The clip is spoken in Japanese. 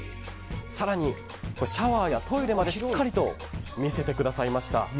更に、シャワーやトイレまでしっかりと見せてくださいました。